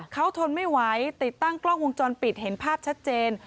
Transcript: เขาทนไม่ไหวติดตั้งกล้องวงจรปิดเห็นภาพชัดเจน